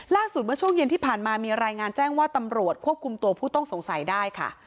เมื่อช่วงเย็นที่ผ่านมามีรายงานแจ้งว่าตำรวจควบคุมตัวผู้ต้องสงสัยได้ค่ะ